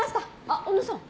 あっ小野さん。